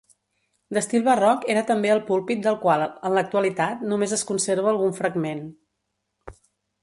D'estil barroc era també el púlpit del qual en l'actualitat només es conserva algun fragment.